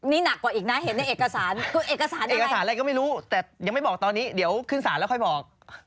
นี่หนักกว่าอีกนะเห็นในเอกสารคือเอกสารเอกสารอะไรก็ไม่รู้แต่ยังไม่บอกตอนนี้เดี๋ยวขึ้นสารแล้วค่อยบอก